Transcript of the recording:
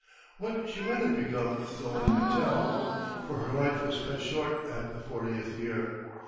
What she might have become no one can tell, for her life was cut short at the fortieth year.